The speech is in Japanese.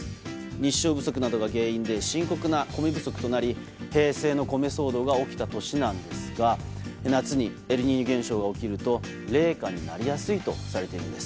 日照不足などが原因で深刻な米不足となり平成の米騒動が起きた年なんですが夏にエルニーニョ現象が起きると冷夏になりやすいとされているんです。